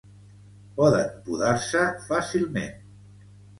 Poden podar-se fàcilment.